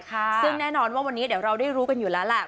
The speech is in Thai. ซึ่งแน่นอนว่าวันนี้เดี๋ยวเราได้รู้กันอยู่แล้วแหละ